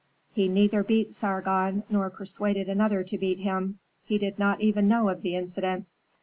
He neither beat Sargon, nor persuaded another to beat him; he did not even know of the incident.